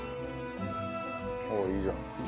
ああいいじゃない。